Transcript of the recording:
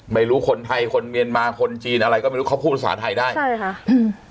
ไม่รู้คนไทยคนเมียนมาคนจีนอะไรก็ไม่รู้เขาพูดภาษาไทยได้ใช่ค่ะอืม